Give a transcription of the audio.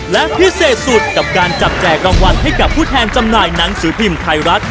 และพิเศษสุดกับการจับแจกรางวัลให้กับผู้แทนจำหน่ายหนังสือพิมพ์ไทยรัฐ